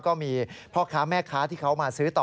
ก็มีพ่อค้าแม่ค้าที่เขามาซื้อต่อ